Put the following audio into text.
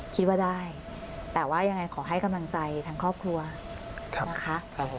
คิดว่าได้แต่ว่ายังไงขอให้กำลังใจทางครอบครัวนะคะ